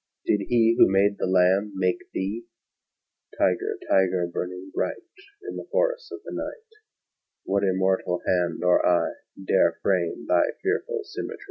Did He who made the lamb make thee? Tiger, tiger, burning bright In the forests of the night, What immortal hand or eye Dare frame thy fearful symm